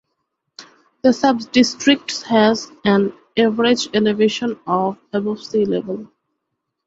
The subdistrict has an average elevation of above sea level.